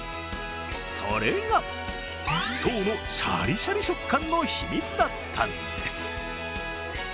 それが爽のシャリシャリ食感の秘密だったんです。